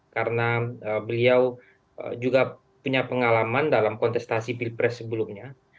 karena beliau juga punya pengalaman dalam kontestasi pilpres sebelumnya